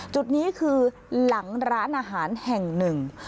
จุดนี้คือหลังร้านอาหารแห่งหนึ่ง